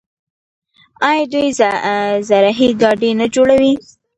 آیا دوی زرهي ګاډي نه جوړوي؟